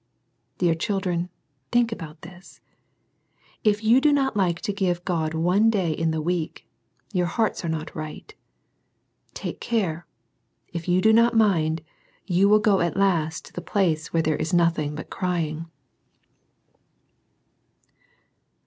*" Dear children, think about this ! If you do not like to give God one day in the week, your hearts are not right. Take care. If you do not mind, you will go at last to the place where there is NOTHING BUT " CRYING."